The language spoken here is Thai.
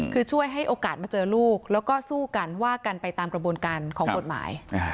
คือช่วยให้โอกาสมาเจอลูกแล้วก็สู้กันว่ากันไปตามกระบวนการของกฎหมาย